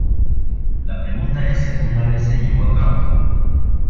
La pregunta es si alguna vez se llevó a cabo.